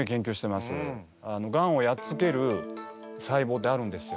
ガンをやっつける細胞ってあるんですよ。